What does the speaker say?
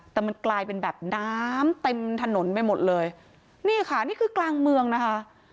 แต่มันกลายเป็นแบบน้ำเต็มถนนไปหมดเลยนี่ค่ะนี่คือกลางเมืองนะคะ